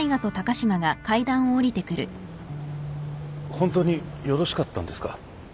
本当によろしかったんですか？